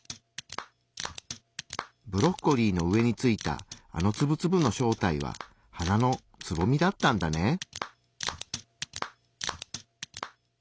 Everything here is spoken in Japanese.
ブロッコリーの上についたあのツブツブの正体は花のつぼみだったんだね。